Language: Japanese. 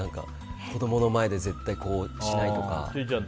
子供の前で絶対にしないとか。